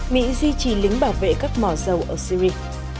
mỹ duy trì lính bảo vệ các mỏ dầu ở syri